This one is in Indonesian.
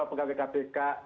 tujuh puluh lima pegawai kpk